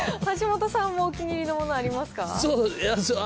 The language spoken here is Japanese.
橋本さんもお気に入りのものありますか？